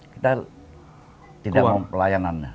kita tidak mau pelayanannya